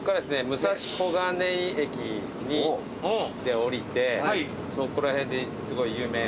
武蔵小金井駅で降りてそこら辺ですごい。